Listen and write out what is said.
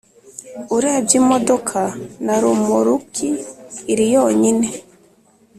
Urebye imodoka na romoruki iri yonyine